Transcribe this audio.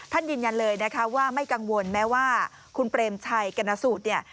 ยืนยันเลยนะคะว่าไม่กังวลแม้ว่าคุณเปรมชัยกรณสูตรเนี่ย